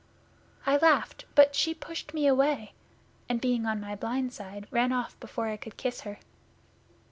I laughed, but she pushed me away, and being on my blind side, ran off before I could kiss her.